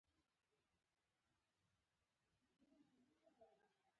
هغه د سپین کتاب پر مهال د مینې خبرې وکړې.